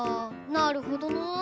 なるほどな。